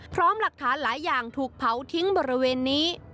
พร้อมหลักฐานหลายอย่างถูกเผาทิ้งบริเวณนี้